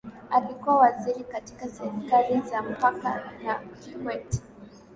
Alikuwa waziri katika serikali za Mkapa na Kikwete